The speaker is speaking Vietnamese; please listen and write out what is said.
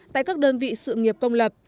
tại các đơn vị sự nghiệp công lập